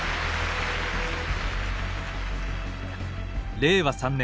令和３年。